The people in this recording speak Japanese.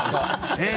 「えっ！